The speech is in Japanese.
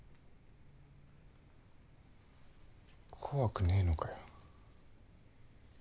怖くねえのかよ？